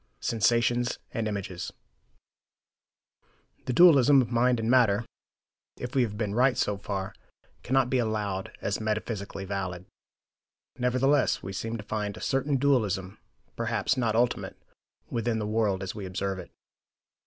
SENSATIONS AND IMAGES The dualism of mind and matter, if we have been right so far, cannot be allowed as metaphysically valid. Nevertheless, we seem to find a certain dualism, perhaps not ultimate, within the world as we observe it.